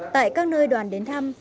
tại các nơi đoàn đến thăm